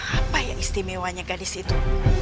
apa ya istimewanya gadis itu